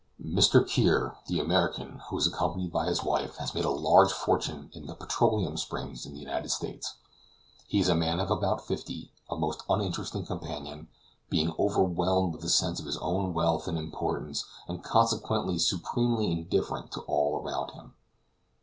Mr. Kear, the American, who is accompanied by his wife, has made a large fortune in the petroleum springs in the United States. He is a man of about fifty, a most uninteresting companion, being overwhelmed with a sense of his own wealth and importance, and consequently supremely indifferent to all around him.